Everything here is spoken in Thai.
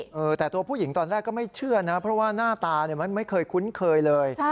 เออแต่ตัวผู้หญิงตอนแรกก็ไม่เชื่อนะเพราะว่าหน้าตาเนี่ยมันไม่เคยคุ้นเคยเลย